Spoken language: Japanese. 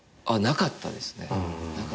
なかったですね。